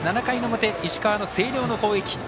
７回の表、石川の星稜の攻撃。